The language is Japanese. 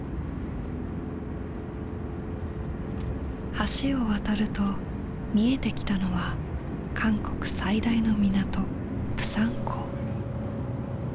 橋を渡ると見えてきたのは韓国最大の港釜山港。